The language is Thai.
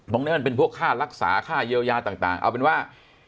มันเป็นพวกค่ารักษาค่าเยียวยาต่างเอาเป็นว่า